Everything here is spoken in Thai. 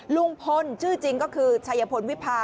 ลุงพลชื่อจริงก็คือชัยพลวิพา